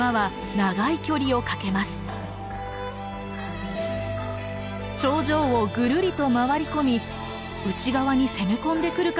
長城をぐるりと回り込み内側に攻め込んでくるかもしれません。